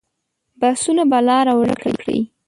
بحثونه به لاره ورکه کړي.